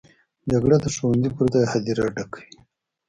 جګړه د ښوونځي پر ځای هدیره ډکوي